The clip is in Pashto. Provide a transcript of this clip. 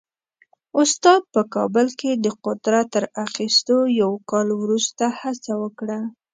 استاد په کابل کې د قدرت تر اخیستو یو کال وروسته هڅه وکړه.